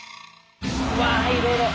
うわいろいろ。